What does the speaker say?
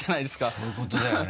そういうことだよね。